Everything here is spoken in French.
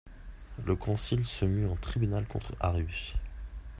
Le Concile se mue en tribunal contre Arius.